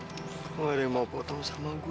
kok gak ada yang mau potong sama gue